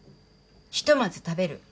ひとまず食べる。